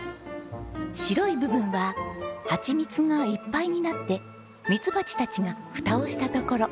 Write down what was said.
白い部分はハチミツがいっぱいになってミツバチたちがフタをした所。